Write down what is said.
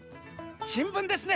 しんぶんですね。